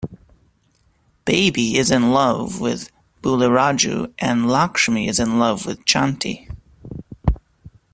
Baby is in love with Buliraju and Lakshmi is in love with Chanti.